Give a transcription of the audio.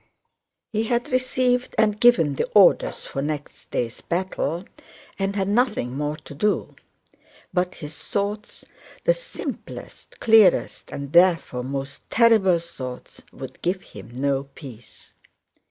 He had received and given the orders for next day's battle and had nothing more to do. But his thoughts—the simplest, clearest, and therefore most terrible thoughts—would give him no peace.